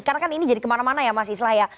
karena kan ini jadi kemana mana ya mas islah ya